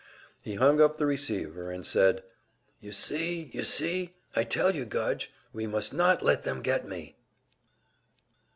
He hung up the receiver and said: "You see, you see! I tell you, Gudge, we must not let them get me!"